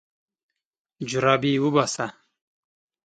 جرابې وباسه.